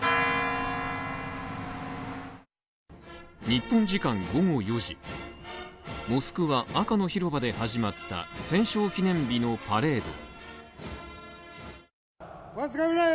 日本時間午後４時、モスクワ・赤の広場で始まった戦勝記念日のパレード。